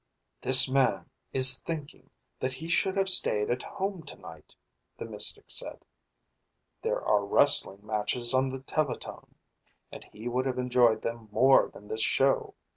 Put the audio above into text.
"This man is thinking that he should have stayed at home tonight," the mystic said. "There are wrestling matches on the teletone, and he would have enjoyed them more than this show.